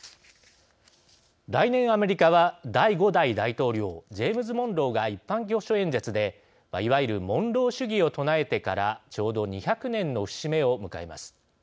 来年アメリカは、第５代大統領ジェームズ・モンローが一般教書演説で、いわゆるモンロー主義を唱えてからちょうど２００年の節目を迎えます。